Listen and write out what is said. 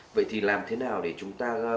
vậy thì làm thế nào để chúng ta